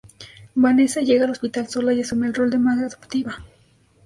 Vanessa llega al hospital sola y asume el rol de madre adoptiva.